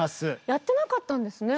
やってなかったんですね。